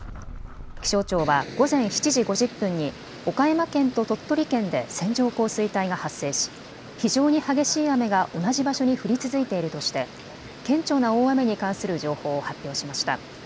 気象庁は午前７時５０分に岡山県と鳥取県で線状降水帯が発生し、非常に激しい雨が同じ場所に降り続いているとして顕著な大雨に関する情報を発表しました。